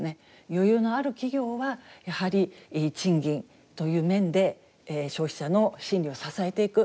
余裕のある企業はやはり賃金という面で消費者の心理を支えていく。